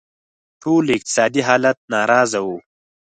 ټول له اقتصادي حالت ناراضه وو.